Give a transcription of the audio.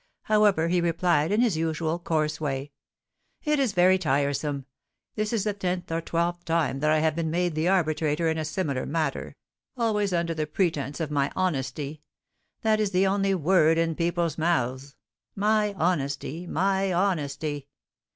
However, he replied, in his usual coarse way: "It is very tiresome. This is the tenth or twelfth time that I have been made the arbitrator in a similar matter, always under the pretence of my honesty, that is the only word in people's mouths. My honesty! my honesty!